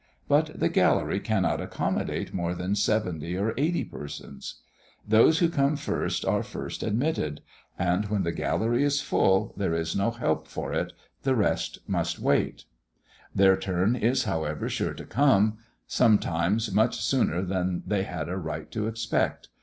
But the gallery cannot accommodate more than seventy or eighty persons. Those who come first are first admitted; and when the gallery is full, there is no help for it, the rest must wait. Their turn is, however, sure to come; sometimes much sooner than they had a right to expect.